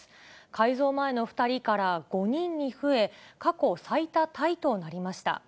改造前の２人から５人に増え、過去最多タイとなりました。